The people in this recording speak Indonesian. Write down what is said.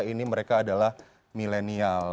ini mereka adalah milenial